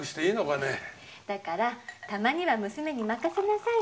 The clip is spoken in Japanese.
だからたまには娘に任せなさいって。